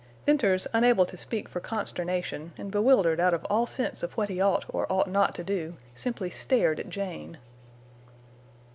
Venters, unable to speak for consternation, and bewildered out of all sense of what he ought or ought not to do, simply stared at Jane.